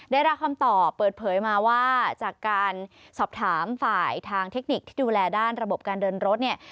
ได้รับคำตอบเปิดเผยมาว่าจากการสอบถามฝ่ายทางเทคนิคที่ดูแลด้านระบบการเดินรถเนี่ย